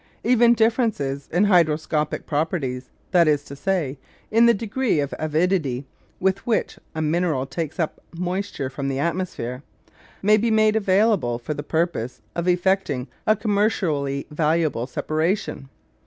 Even differences in hygroscopic properties that is to say, in the degree of avidity with which a mineral takes up moisture from the atmosphere may be made available for the purpose of effecting a commercially valuable separation.